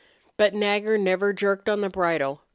But Nagger never jerked on the bridle.